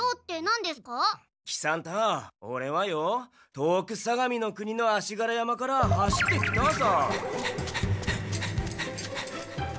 遠く相模の国の足柄山から走ってきたさ。